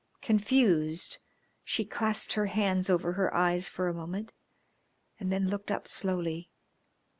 Confused, she clasped her hands over her eyes for a moment and then looked up slowly.